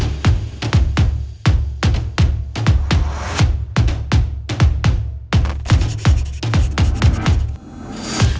ครับ